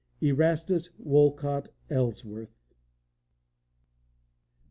ERASTUS WOLCOTT ELLSWORTH.